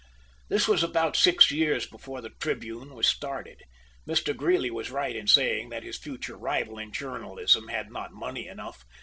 This was about six years before the "Tribune" was started. Mr. Greeley was right in saying that his future rival in journalism had not money enough.